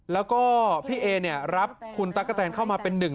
แล้วก็พี่เอเนี่ยรับคุณตั๊กกะแตนเข้ามาเป็นหนึ่ง